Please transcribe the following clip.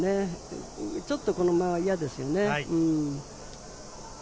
ちょっとこの間は嫌ですよね。